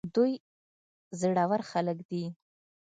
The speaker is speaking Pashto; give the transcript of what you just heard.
دوی زړه ور خلک دي.